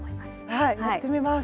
はいやってみます！